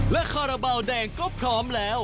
และคาราบาลแดงก็พร้อมแล้ว